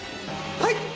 はい。